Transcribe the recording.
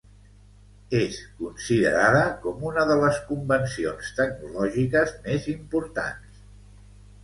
És considerada com una de les convencions tecnològiques més importants.